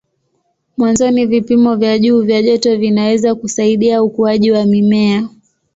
Mwanzoni vipimo vya juu vya joto vinaweza kusaidia ukuaji wa mimea.